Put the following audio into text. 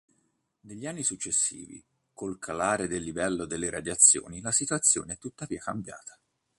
Negli anni successivi, col calare del livello delle radiazioni, la situazione è tuttavia cambiata.